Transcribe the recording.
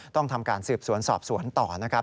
ต้องทำการสืบสวนสอบสวนต่อนะครับ